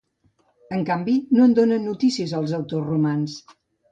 En canvi no en donen notícies els autors romans.